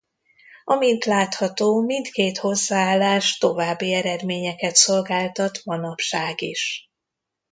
Amint látható mindkét hozzáállás további eredményeket szolgáltat manapság is.